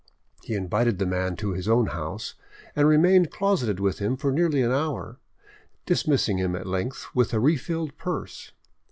He invited the man to his own house, and remained closeted with him for nearly an hour, dismissing him at length with a refilled purse.